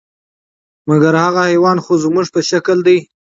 مګر هغه حیوان خو زموږ په شکل دی،